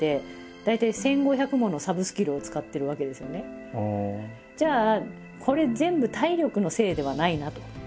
例えばじゃあこれ全部体力のせいではないなと。